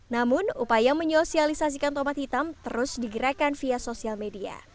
namun upaya menyosialisasikan tomat hitam terus digerakkan via sosial media